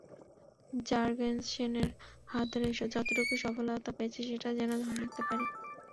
জার্গেনসেনের হাত ধরে যতটুকু সাফল্য পেয়েছি সেটা যেন ধরে রাখতে পারি।